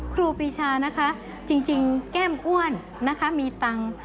ครูปีชานะคะจริงแก้มอ้วนนะคะมีตังค์